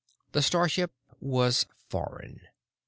The starship was foreign.